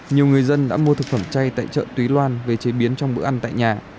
nhiều người dân đã mua thực phẩm chay tại chợ túy loan về chế biến trong bữa ăn tại nhà